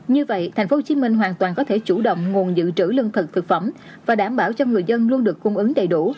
như vậy thành phố hồ chí minh hoàn toàn có thể chủ động nguồn dự trữ lương thực thực phẩm và đảm bảo cho người dân luôn được cung ứng đầy đủ